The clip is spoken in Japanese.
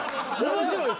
面白いですよ。